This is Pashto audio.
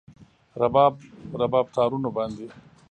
رباب، رباب تارونو باندې